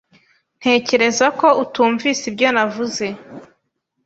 Ntekereza ko utumvise ibyo navuze.